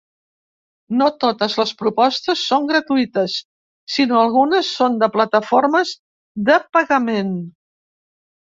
No totes les propostes són gratuïtes, sinó algunes són de plataformes de pagament.